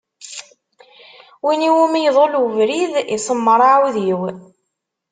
Win iwumi iḍul ubrid, iṣemmeṛ aɛudiw.